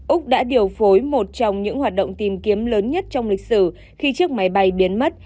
úc đã điều phối một trong những hoạt động tìm kiếm lớn nhất trong lịch sử khi chiếc máy bay biến mất